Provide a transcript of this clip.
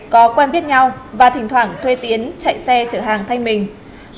có quen biết nhau và thỉnh thoảng thuê tiến chạy xe chở hàng thanh mình